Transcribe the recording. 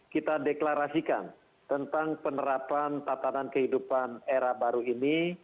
kita deklarasikan tentang penerapan tatanan kehidupan era baru ini